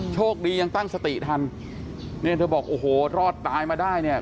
โชคดียังตั้งสติทันเนี่ยเธอบอกโอ้โหรอดตายมาได้เนี่ย